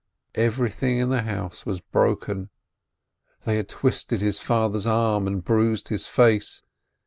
Everything in the house was broken, they had twisted his father's arm and bruised his face.